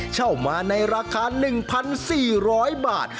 เช่ามาในราคา๑๔๐๐บาท